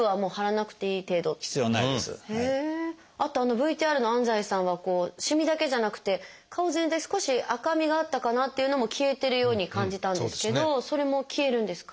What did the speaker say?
あとあのＶＴＲの安西さんはしみだけじゃなくて顔全体少し赤みがあったかなっていうのも消えてるように感じたんですけどそれも消えるんですか？